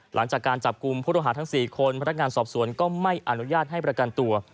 หลังจากการจับกลุ่มผู้ต้องหาทั้ง๔คนพนักงานสอบสวนก็ไม่อนุญาตให้ประกันตัว